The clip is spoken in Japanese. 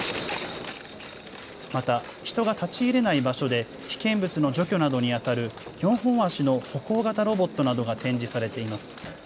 また人が立ち入れない場所で危険物の除去などにあたる４本足の歩行型ロボットなどが展示されています。